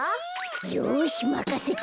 よしまかせて。